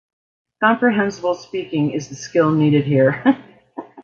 Comprehensible speaking is the skill needed here.